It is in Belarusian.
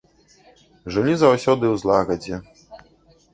Жылі заўсёды ў злагадзе.